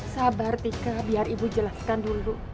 sabar tika biar ibu jelaskan dulu